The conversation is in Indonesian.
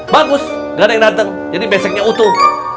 bagus gak ada yang datang jadi beseknya utuh